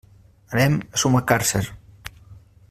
Anem a Sumacàrcer.